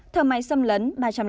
thờ máy xâm lấn ba trăm linh sáu